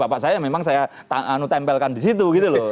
bapak saya memang saya anu tempelkan di situ gitu loh